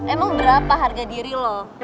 emang berapa harga diri loh